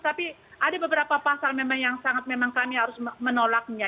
tapi ada beberapa pasal memang yang sangat memang kami harus menolaknya